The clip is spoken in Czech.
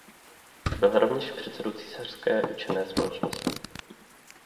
Byl rovněž předsedou Císařské učené společnosti.